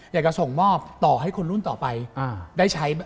อยากจะส่งมอบต่อให้คนรุ่นต่อไปได้ใช้